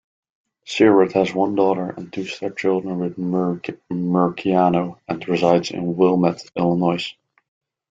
Sirott has one daughter and two stepchildren with Murciano, and resides in Wilmette, Illinois.